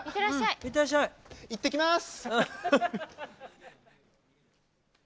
いってきます！